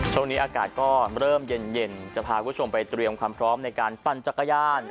ช่วงนี้อากาศก็เริ่มเย็นจะพาคุณผู้ชมไปเตรียมความพร้อมในการปั่นจักรยาน